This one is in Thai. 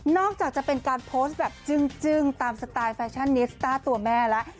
อกจากจะเป็นการโพสต์แบบจึ้งตามสไตล์แฟชั่นนิสต้าตัวแม่แล้ว